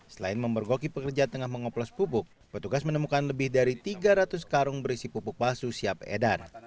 selain memergoki pekerja tengah mengoplos pupuk petugas menemukan lebih dari tiga ratus karung berisi pupuk palsu siap edar